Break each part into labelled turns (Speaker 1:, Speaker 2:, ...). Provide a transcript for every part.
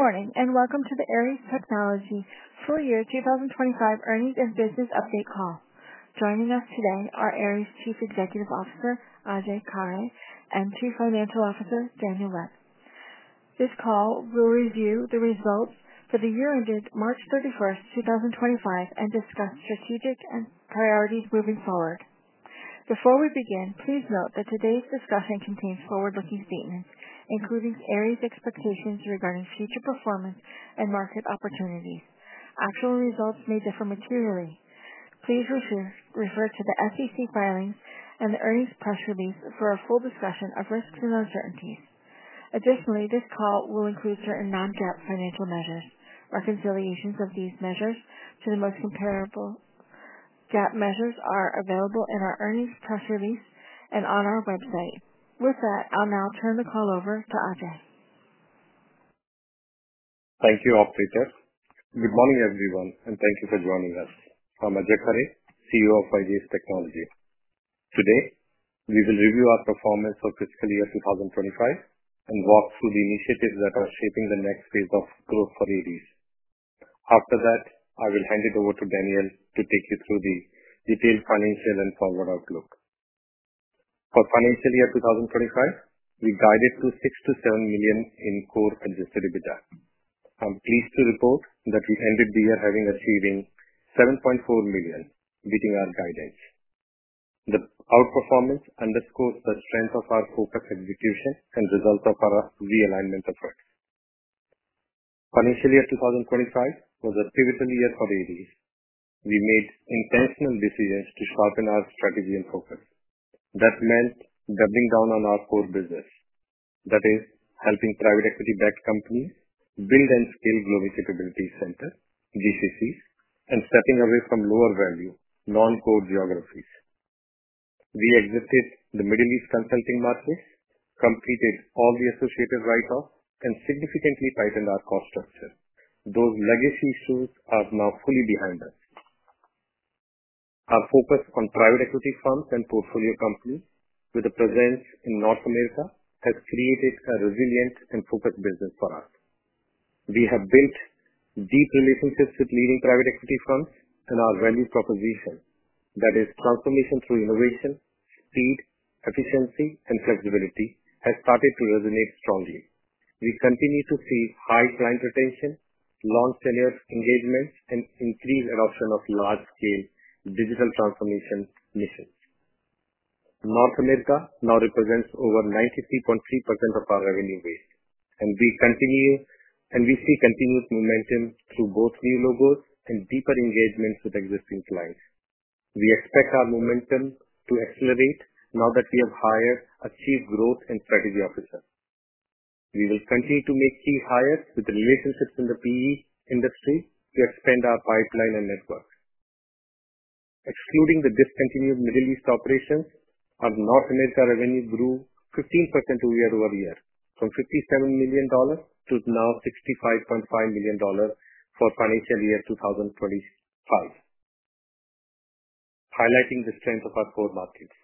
Speaker 1: Good morning and welcome to the Aeries Technology full year 2025 earnings and business update call. Joining us today are Aeries Chief Executive Officer Ajay Khare and Chief Financial Officer Daniel Webb. This call will review the results for the year ended March 31, 2025, and discuss strategic priorities moving forward. Before we begin, please note that today's discussion contains forward-looking statements, including Aeries' expectations regarding future performance and market opportunities. Actual results may differ materially. Please refer to the SEC filings and the earnings press release for a full discussion of risks and uncertainties. Additionally, this call will include certain non-GAAP financial measures. Reconciliations of these measures to the most comparable GAAP measures are available in our earnings press release and on our website. With that, I'll now turn the call over to Ajay.
Speaker 2: Thank you, operator. Good morning, everyone, and thank you for joining us. I'm Ajay Khare, CEO of Aeries Technology. Today, we will review our performance for fiscal year 2025 and walk through the initiatives that are shaping the next phase of growth for Aeries. After that, I will hand it over to Daniel to take you through the detailed financial and forward outlook. For fiscal year 2025, we guided to $6 million-$7 million in core adjusted EBITDA. I'm pleased to report that we ended the year having achieved $7.4 million, beating our guidance. The outperformance underscores the strength of our focus, execution, and results of our realignment efforts. Fiscal year 2025 was a pivotal year for Aeries. We made intentional decisions to sharpen our strategy and focus. That meant doubling down on our core business, that is, helping private equity-backed companies build and scale Global Capability Centers, GCCs, and stepping away from lower-value, non-core geographies. We exited the Middle East consulting market, completed all the associated write-offs, and significantly tightened our cost structure. Those legacy issues are now fully behind us. Our focus on private equity funds and portfolio companies with a presence in North America has created a resilient and focused business for us. We have built deep relationships with leading private equity funds, and our value proposition, that is, transformation through innovation, speed, efficiency, and flexibility, has started to resonate strongly. We continue to see high client retention, long-tenor engagement, and increased adoption of large-scale digital transformation missions. North America now represents over 93.3% of our revenue base, and we see continued momentum through both new logos and deeper engagements with existing clients. We expect our momentum to accelerate now that we have hired a Chief Growth and Strategy Officer. We will continue to make key hires with relationships in the PE industry to expand our pipeline and network. Excluding the discontinued Middle East operations, our North America revenue grew 15% year over year, from $57 million to now $65.5 million for financial year 2025, highlighting the strength of our core markets.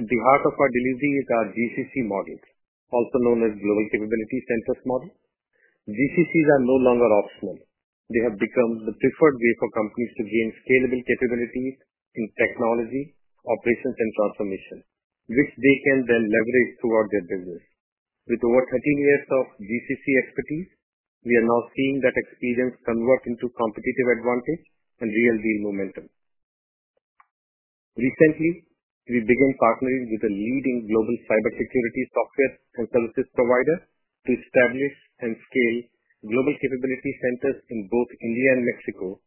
Speaker 2: At the heart of our delivery is our GCC model, also known as Global Capability Centers model. GCCs are no longer optional. They have become the preferred way for companies to gain scalable capabilities in technology, operations, and transformation, which they can then leverage throughout their business. With over 13 years of GCC expertise, we are now seeing that experience convert into competitive advantage and real deal momentum. Recently, we began partnering with a leading global cybersecurity software and services provider to establish and scale Global Capability Centers in both India and Mexico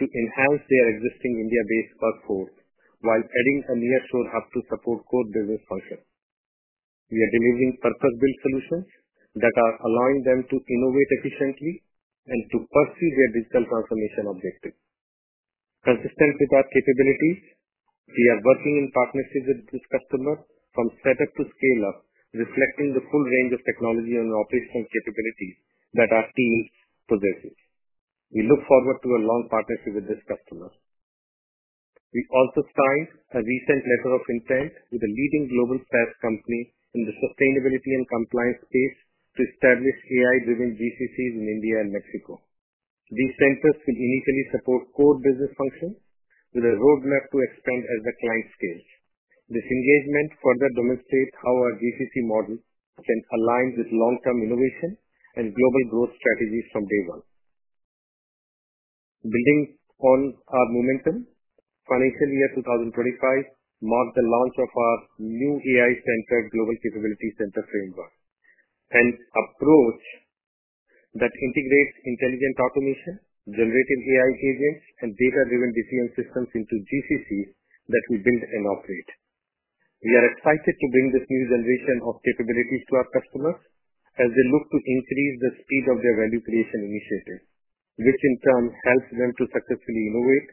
Speaker 2: to enhance their existing India-based workforce while adding a nearshore hub to support core business functions. We are delivering purpose-built solutions that are allowing them to innovate efficiently and to pursue their digital transformation objectives. Consistent with our capabilities, we are working in partnerships with this customer from setup to scale-up, reflecting the full range of technology and operational capabilities that our team possesses. We look forward to a long partnership with this customer. We also signed a recent letter of intent with a leading global SaaS company in the sustainability and compliance space to establish AI-driven GCCs in India and Mexico. These centers will initially support core business functions with a roadmap to expand as the client scales. This engagement further demonstrates how our GCC model can align with long-term innovation and global growth strategies from day one. Building on our momentum, financial year 2025 marked the launch of our new AI-centered Global Capability Center framework, an approach that integrates intelligent automation, generative AI agents, and data-driven decision systems into GCCs that we build and operate. We are excited to bring this new generation of capabilities to our customers as they look to increase the speed of their value creation initiative, which in turn helps them to successfully innovate,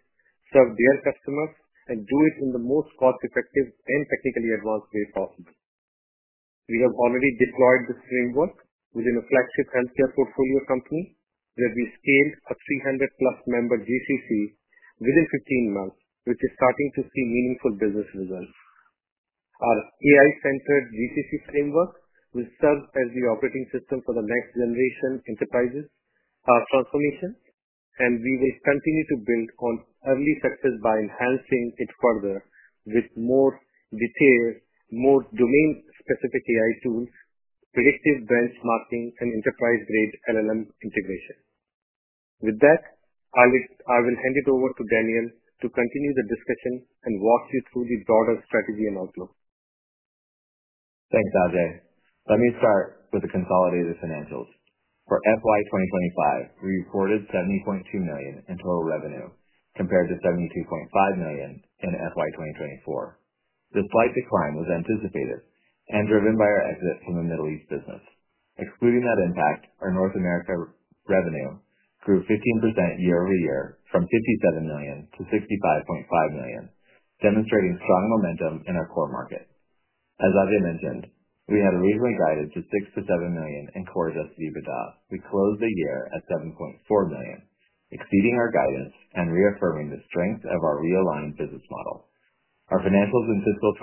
Speaker 2: serve their customers, and do it in the most cost-effective and technically advanced way possible. We have already deployed this framework within a flagship healthcare portfolio company where we scaled a 300-plus member GCC within 15 months, which is starting to see meaningful business results. Our AI-centered GCC framework will serve as the operating system for the next generation enterprises, our transformation, and we will continue to build on early success by enhancing it further with more detailed, more domain-specific AI tools, predictive benchmarking, and enterprise-grade LLM integration. With that, I will hand it over to Daniel to continue the discussion and walk you through the broader strategy and outlook.
Speaker 3: Thanks, Ajay. Let me start with the consolidated financials. For FY 2025, we reported $70.2 million in total revenue compared to $72.5 million in FY 2024. This slight decline was anticipated and driven by our exit from the Middle East business. Excluding that impact, our North America revenue grew 15% year over year from $57 million to $65.5 million, demonstrating strong momentum in our core market. As Ajay mentioned, we had originally guided to $6-$7 million in core adjusted EBITDA. We closed the year at $7.4 million, exceeding our guidance and reaffirming the strength of our realigned business model. Our financials in fiscal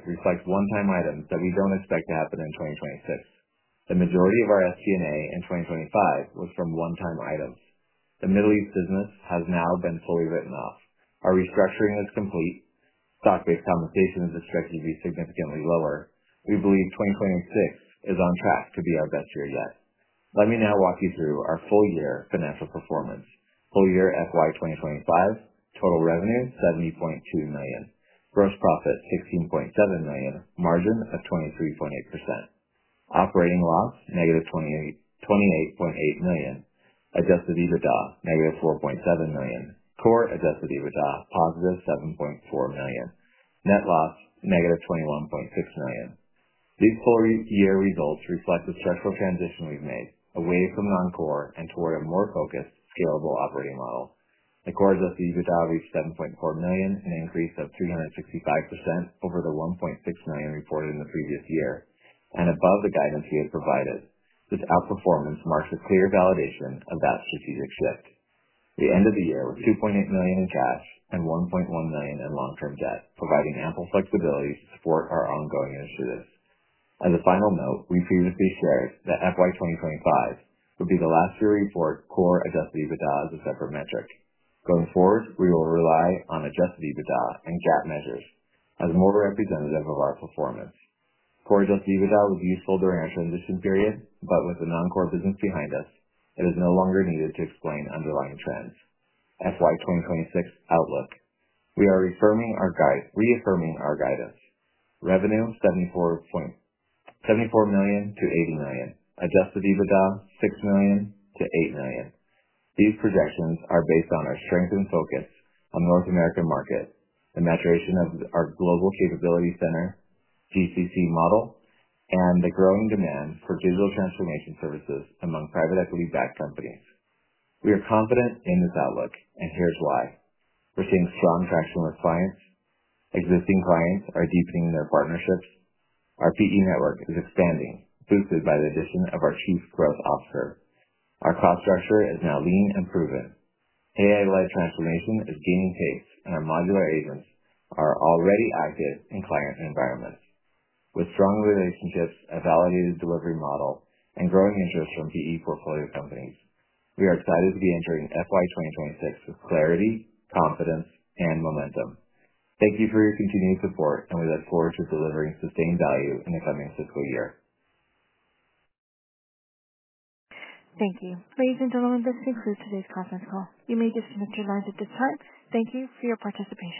Speaker 3: 2025 reflect one-time items that we do not expect to happen in 2026. The majority of our SG&A in 2025 was from one-time items. The Middle East business has now been fully written off. Our restructuring is complete. Stock-based compensation is expected to be significantly lower. We believe 2026 is on track to be our best year yet. Let me now walk you through our full-year financial performance. Full year FY 2025, total revenue $70.2 million, gross profit $16.7 million, margin of 23.8%. Operating loss negative $28.8 million, adjusted EBITDA negative $4.7 million, core adjusted EBITDA positive $7.4 million, net loss negative $21.6 million. These full-year results reflect the structural transition we've made away from non-core and toward a more focused, scalable operating model. The core adjusted EBITDA reached $7.4 million, an increase of 365% over the $1.6 million reported in the previous year, and above the guidance we had provided. This outperformance marks a clear validation of that strategic shift. The end of the year was $2.8 million in cash and $1.1 million in long-term debt, providing ample flexibility to support our ongoing initiatives. As a final note, we previously shared that FY 2025 would be the last year we report core adjusted EBITDA as a separate metric. Going forward, we will rely on adjusted EBITDA and GAAP measures as more representative of our performance. Core adjusted EBITDA was useful during our transition period, but with the non-core business behind us, it is no longer needed to explain underlying trends. FY 2026 outlook. We are reaffirming our guidance. Revenue $74 million-$80 million, adjusted EBITDA $6 million-$8 million. These projections are based on our strength and focus on the North American market, the maturation of our Global Capability Center GCC model, and the growing demand for digital transformation services among private equity-backed companies. We are confident in this outlook, and here's why. We're seeing strong traction with clients. Existing clients are deepening their partnerships. Our PE network is expanding, boosted by the addition of our Chief Growth Officer. Our cost structure is now lean and proven. AI-led transformation is gaining pace, and our modular agents are already active in client environments. With strong relationships, a validated delivery model, and growing interest from PE portfolio companies, we are excited to be entering FY 2026 with clarity, confidence, and momentum. Thank you for your continued support, and we look forward to delivering sustained value in the coming fiscal year.
Speaker 1: Thank you. Ladies and gentlemen, this concludes today's conference call. You may disconnect your lines at this time. Thank you for your participation.